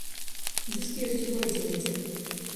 Дыскі ёсць у горадзе недзе.